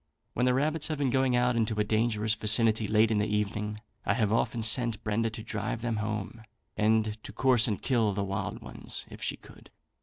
When the rabbits have been going out into a dangerous vicinity, late in the evening, I have often sent Brenda to drive them home, and to course and kill the wild ones if she could.